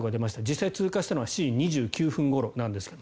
実際に通過したのは７時２９分ごろなんですが。